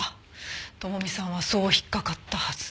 朋美さんはそう引っかかったはず。